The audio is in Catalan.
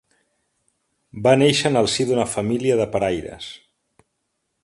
Va néixer en el si d’una família de paraires.